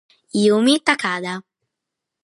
Yumi Takada